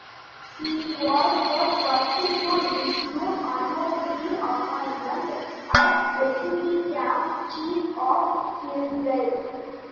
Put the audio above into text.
He was the first to receive honorary appointment as Deputy Camp Chief of Gilwell.